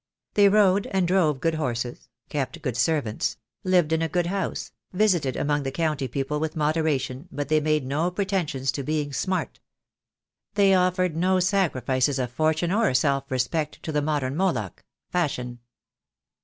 They rode and drove good horses, kept good servants, lived in a good house, visited among the county people with moderation, but they made no pretensions to being "smart." They offered no sacri fices of fortune or self respect to the modern Moloch — Fashion.